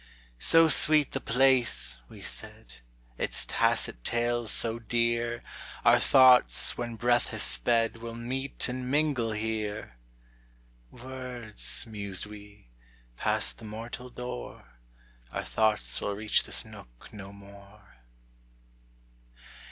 "So sweet the place," we said, "Its tacit tales so dear, Our thoughts, when breath has sped, Will meet and mingle here!" ... "Words!" mused we. "Passed the mortal door, Our thoughts will reach this nook no more."